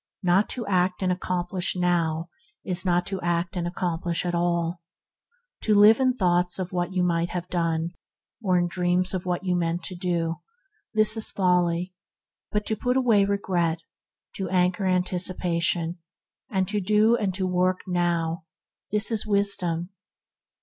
Not to act and accomplish now is not to act and accomplish at all. To live in thoughts of what you might have done, or in dreams of what you mean to do, this is folly; but to put away regret, to anchor anticipation, and to do and to work now, this is wisdom.